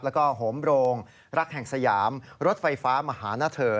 แล้วก็โหมโรงรักแห่งสยามรถไฟฟ้ามาหาหน้าเธอ